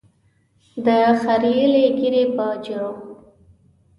د خرییلې ږیرې په جرم.